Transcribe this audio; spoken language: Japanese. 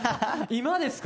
今ですか？